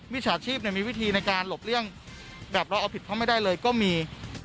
ฉาชีพมีวิธีในการหลบเลี่ยงแบบเราเอาผิดเขาไม่ได้เลยก็มี